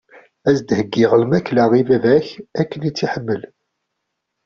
Ad s-d-heggiɣ lmakla i baba-k, akken i tt-iḥemmel.